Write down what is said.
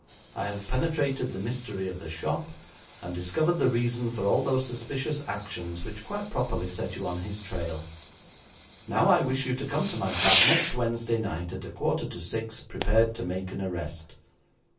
I have penetrated the mystery of the shop, and discovered the reason for all those suspicious actions which quite properly set you on his trail. Now I wish you to come to my flat next Wednesday night at a quarter to six, prepared to make an arrest.'